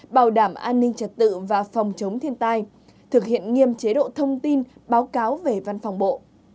bảo đảm an ninh trật tự và phòng chống thiên tai thực hiện nghiêm chế độ thông tin báo cáo về văn phòng bộ